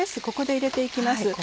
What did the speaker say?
ここで入れて行きます。